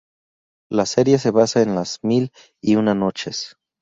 La serie se basa en "Las mil y una noches".